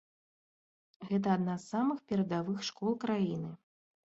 Гэта адна з самых перадавых школ краіны.